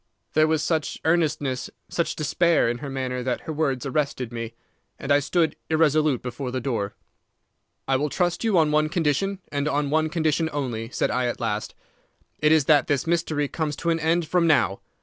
"There was such earnestness, such despair, in her manner that her words arrested me, and I stood irresolute before the door. "'I will trust you on one condition, and on one condition only,' said I at last. 'It is that this mystery comes to an end from now.